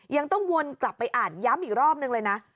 ยังต้องวนกลับไปอ่านย้ำอีกรอบนึงเลยนะ